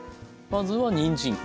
まずはにんじん。